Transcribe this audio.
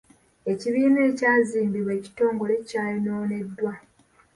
Ekibiina ekyazimbibwa ekitongole kyayonooneddwa.